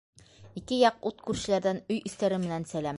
Ике яҡ ут күршеләрҙән өй эстәре менән сәләм.